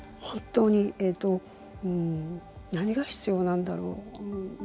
本当に何が必要なんだろう。